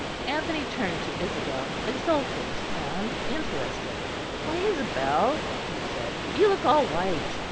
Anthony turned to Isabel, exultant and interested. "Why, Isabel," he said, "you look all white.